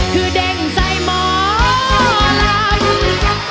คือเด้งใส่หมอลำ